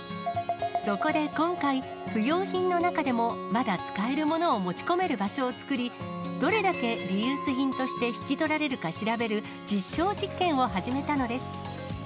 そこで今回、不要品の中でもまだ使えるものを持ち込める場所を作り、どれだけリユース品として引き取られるか調べる実証実験を始めたのです。